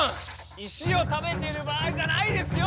石を食べてる場合じゃないですよ！